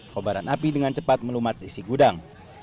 kobaran api dengan cepat melumat sisi gudang